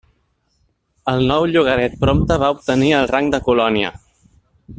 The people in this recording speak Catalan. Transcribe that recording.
El nou llogaret prompte va obtenir el rang de colònia.